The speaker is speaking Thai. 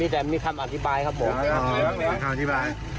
แต่มีคำอธิบายครับผม